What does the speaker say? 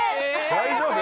大丈夫？